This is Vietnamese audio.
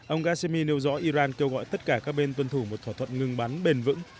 ông gassimi nêu rõ iran kêu gọi tất cả các bên tuân thủ một thỏa thuận ngừng bắn bền vững